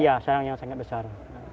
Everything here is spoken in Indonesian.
iya sarang yang sangat besar